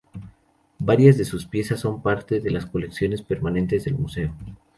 Varias de sus piezas son parte de las colecciones permanentes del museo.